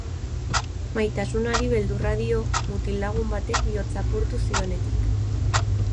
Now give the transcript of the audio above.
Maitasunari beldurra dio mutil-lagun batek bihotza apurtu zionetik.